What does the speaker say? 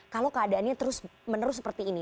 kalau keadaannya terus menerus seperti ini